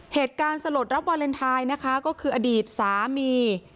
เหตุการณ์สลดรับวาเลนไทน์นะคะก็คืออดีตสามี